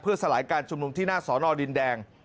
สลายการชุมนุมที่หน้าสอนอดินแดง